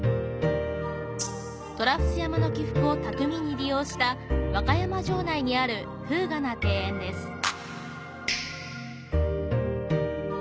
虎伏山の起伏をたくみに利用した和歌山城内にある風雅な庭園です。